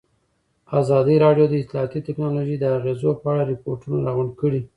ازادي راډیو د اطلاعاتی تکنالوژي د اغېزو په اړه ریپوټونه راغونډ کړي.